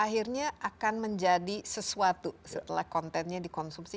akhirnya akan menjadi sesuatu setelah kontennya dikonsumsi